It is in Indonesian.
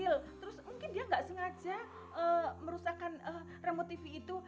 terus mungkin dia gak sengaja merusakan remote tv itu